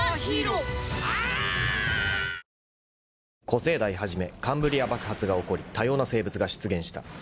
［古生代始めカンブリア爆発が起こり多様な生物が出現した］